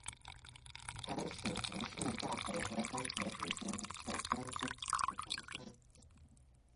开始符氏嫁给河中节度使李守贞之子李崇训。